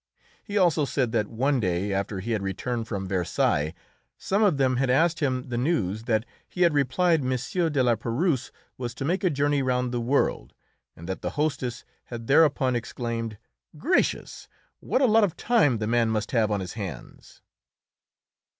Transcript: He also said that one day, after he had returned from Versailles, some of them had asked him the news, that he had replied M. de La Pérouse was to make a journey round the world, and that the hostess had thereupon exclaimed: "Gracious! What a lot of time the man must have on his hands!"